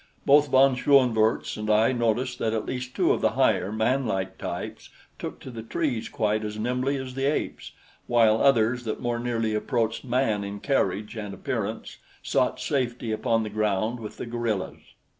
Both von Schoenvorts and I noticed that at least two of the higher, manlike types took to the trees quite as nimbly as the apes, while others that more nearly approached man in carriage and appearance sought safety upon the ground with the gorillas.